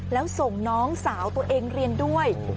แล้วส่งน้องสาวตัวเองเรียนด้วย